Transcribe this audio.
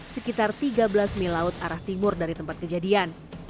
sekitar tiga belas mil laut arah timur dari tempat kejadian